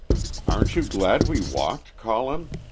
"Aren't you glad we walked, Colin?"